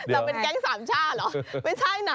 เอาเป็นแก๊งสามชาหรือเฮ้ย